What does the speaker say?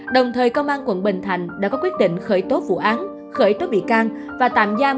đồng thời công an quận bình thạnh đã có quyết định khởi tố vụ án khởi tố bị can và tạm giam